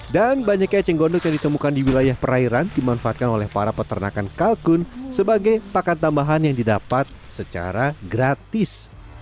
dan banyaknya cenggondok yang ditemukan di wilayah perairan dimanfaatkan oleh para peternakan kalkun sebagai pakan tambahan yang didapat secara gratis